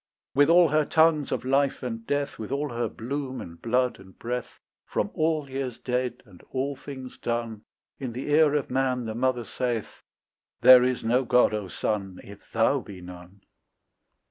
With all her tongues of life and death, With all her bloom and blood and breath, From all years dead and all things done, In the ear of man the mother saith, "There is no God, O son, If thou be none."